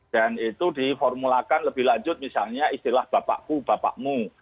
dan itu diformulakan lebih lanjut misalnya istilah bapakku bapakmu